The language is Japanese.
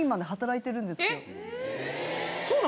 そうなの？